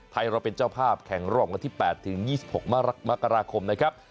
ไทยรอเป็นเจ้าภาพแข่งรองกันที่๘๒๖มกราคมนะครับ